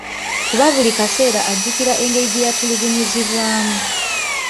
Kuba buli kaseera ajjukira engeri gye yatulugunyizibwamu.